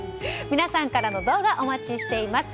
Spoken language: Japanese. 皆さんからの動画お待ちしています。